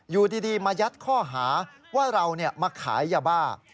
อยู่ดีมายัดข้อหาว่าเรามาขายยาบ้า